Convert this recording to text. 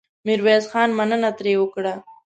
ميرويس خان مننه ترې وکړه.